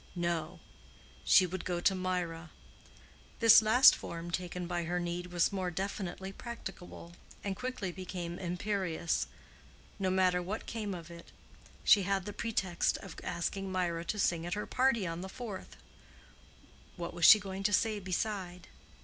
No; she would go to Mirah. This last form taken by her need was more definitely practicable, and quickly became imperious. No matter what came of it. She had the pretext of asking Mirah to sing at her party on the fourth. What was she going to say beside?